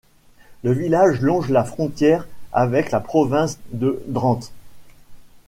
Le village longe la frontière avec la province de Drenthe.